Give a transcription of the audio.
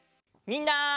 みんな！